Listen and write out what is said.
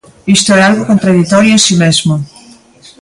Isto é algo contraditorio en si mesmo.